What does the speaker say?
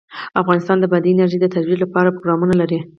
افغانستان د بادي انرژي د ترویج لپاره پروګرامونه لري.